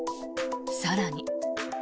更に。